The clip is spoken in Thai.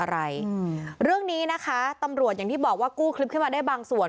อะไรอืมเรื่องนี้นะคะตำรวจอย่างที่บอกว่ากู้คลิปขึ้นมาได้บางส่วน